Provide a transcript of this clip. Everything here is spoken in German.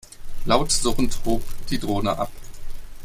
Laut surrend hob die Drohne ab.